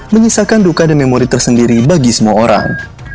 menyisakan duka dan memori tersendiri bagi semua orang